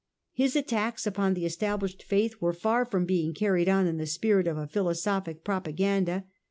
His attacks upon the established faith were far from being carried on in the spirit of a philosophic propaganda.